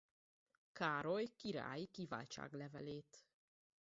Károly királyi kiváltságlevelét.